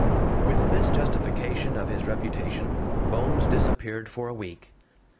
With this justification of his reputation, Bones disappeared for a week.